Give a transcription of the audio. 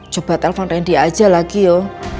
coba telpon randy aja lagi yuk